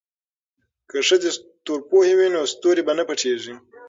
که ښځې ستورپوهې وي نو ستوري به نه پټیږي.